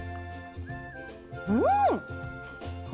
うん！